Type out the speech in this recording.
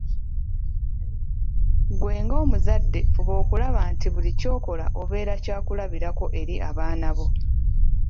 Ggwe nga omuzadde fuba okulaba nti buli ky’okola obeera kya kulabirako eri abaana bo.